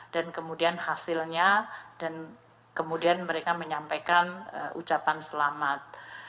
kemudian hasilnya dan kemudian mereka menyampaikan ucapan selamat